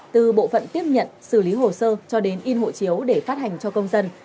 từ bộ phận tiếp nhận xử lý hồ sơ cho đến in hộ chiếu để phát hành cho công dân